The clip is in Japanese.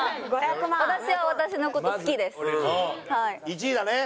１位だね？